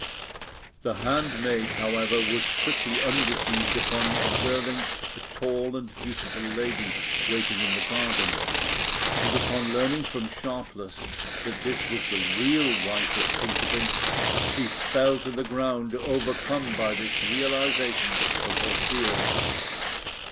The handmaid, however, was quickly undeceived upon observing a tall and beautiful lady waiting in the garden; and upon learning from Sharpless that this was the "real" wife of Pinkerton, she fell to the ground, overcome by this realisation of her fears.